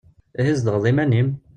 Ihi tzedɣeḍ iman-im?